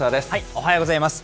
おはようございます。